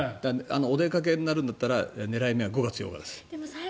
お出かけになるんだったら今年は５月８日です。